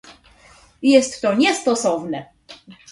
"Jest to niestosowne"